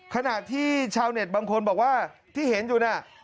ขณะที่ชาวเน็ตบางคนบอกว่าที่เห็นอยู่น่ะ